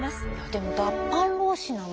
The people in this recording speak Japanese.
でも脱藩浪士なのに。